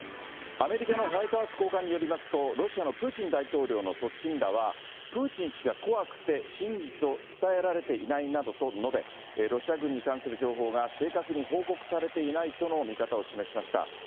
アメリカのホワイトハウス高官によりますと、ロシアのプーチン大統領の側近らは、プーチン氏が怖くて真実を伝えられていないなどと述べ、ロシア軍に関する情報が正確に報告されていないとの見方を示しました。